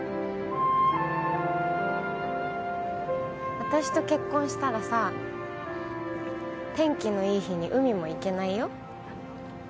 私と結婚したらさ天気のいい日に海も行けないよ。